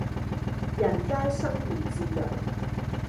人皆生而自由